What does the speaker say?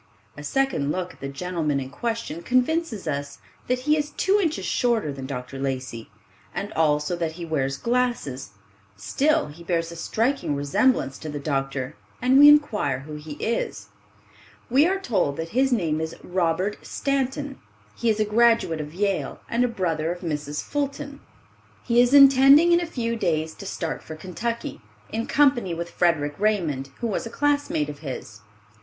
A second look at the gentleman in question convinces us that he is two inches shorter than Dr. Lacey, and also that he wears glasses; still be bears a striking resemblance to the doctor, and we inquire who he is. We are told that his name is Robert Stanton. He is a graduate of Yale and a brother of Mrs. Fulton, He is intending in a few days to start for Kentucky, in company with Frederic Raymond, who was a classmate of his.